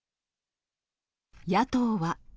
野党は。